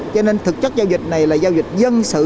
cho nên thực chất giao dịch này là giao dịch dân sự